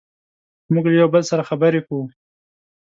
موږ له یو بل سره خبرې کوو.